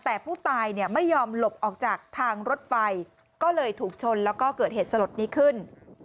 แต่ผู้ตายเนี่ยไม่ยอมหลบออกจากทางรถไฟก็เลยถูกชนแล้วก็เกิดเหตุสลดนี้ขึ้น